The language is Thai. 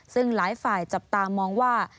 ซึ่งหลายฝ่ายจับตามองว่า